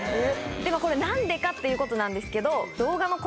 ではこれ何でかっていうことなんですけど。